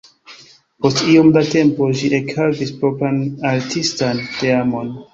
Post iom da tempo ĝi ekhavis propran artistan teamon.